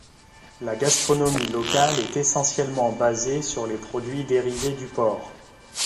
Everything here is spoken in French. La gastronomie locale est essentiellement basée sur les produits dérivés du porc.